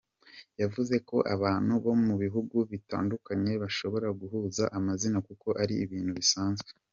Yavuze ko abantu bo mu bihugu bitandukanye bashobora guhuza amazina kuko ari ibintu bisanzwe.